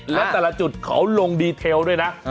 และแต่ละจุดเขาลงดีเทลด้วยนะ